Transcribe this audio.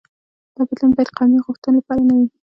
دا بدلون باید قومي غوښتنو لپاره نه وي.